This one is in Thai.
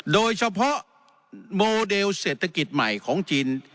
โดยเฉพาะโมเดลเศรษฐกิจใหม่ของจีน